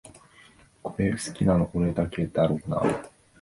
これ好きなの俺だけだろうなあ